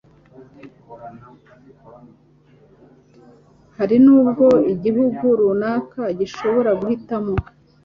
hari n'ubwo igihugu runaka gishobora guhitamo